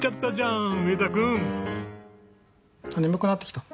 あっ眠くなってきた。